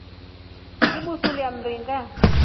Utangibusulie mringa.